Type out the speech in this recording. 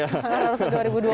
kalau sudah dua ribu dua puluh